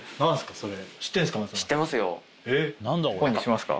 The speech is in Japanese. それ知ってるんですか？